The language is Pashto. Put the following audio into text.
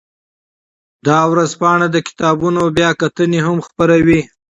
دا ژورنال د کتابونو بیاکتنې هم خپروي.